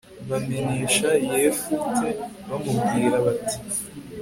bamenesha yefute bamubwira bati